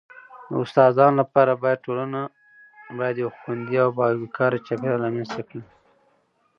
د استادانو لپاره باید ټولنه باید یو خوندي او باوقاره چاپیریال رامنځته کړي..